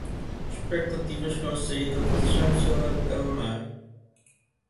Expectativas com a saída da chanceler alemã